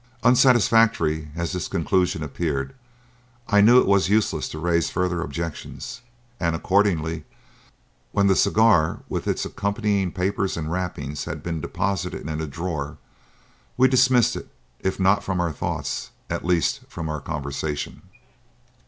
Unsatisfactory as this conclusion appeared, I knew it was useless to raise further objections, and, accordingly, when the cigar with its accompanying papers and wrappings had been deposited in a drawer, we dismissed it, if not from our thoughts, at least from our conversation.